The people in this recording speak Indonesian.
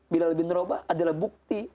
bilal bin robah adalah bukti